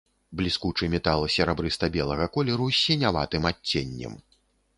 Бліскучы метал серабрыста-белага колеру з сіняватым адценнем.